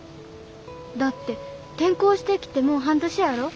だって転校してきてもう半年やろ？